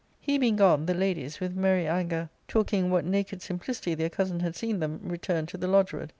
. He being gone, the ladies — with merry anger talking in 172 ARCAD/A. Sook IL what naked simplicity their cousin had seen them — returned to the lodge ward.